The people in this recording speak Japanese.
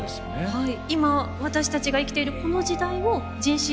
はい。